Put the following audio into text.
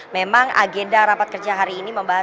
memang agenda rapat kerja hari ini membahas